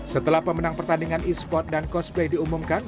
setelah pemenang pertandingan e sport dan cosplay diumumkan